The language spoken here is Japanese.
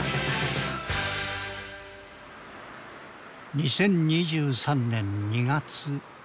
２０２３年２月。